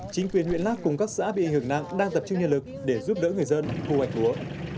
chính quyền huyện lắc cùng các xã bị ảnh hưởng nặng đang tập trung nhiên lực để giúp đỡ người dân thu hoạch lúa